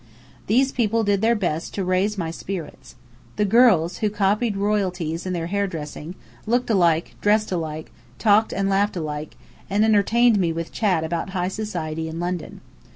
These people did their best to raise my spirits. The girls, who copied royalties in their hair dressing, looked alike, dressed alike, talked and laughed alike, and entertained me with chat about high society in London.